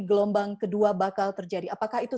gelombang kedua bakal terjadi apakah itu